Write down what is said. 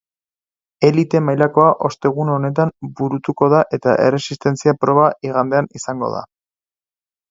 Elite mailakoa ostegun honetan burutuko da eta erresistentzia proba igandean izango da.